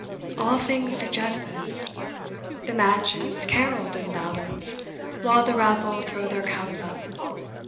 All things suggest this. The match is carolled in ballads, while the rabble throw their caps up.